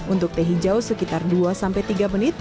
untuk teh hijau sekitar dua sampai tiga menit